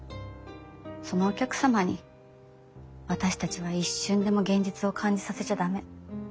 そのお客様に私たちは一瞬でも現実を感じさせちゃ駄目。